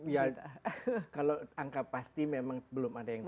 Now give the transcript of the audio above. ya kalau angka pasti memang belum ada yang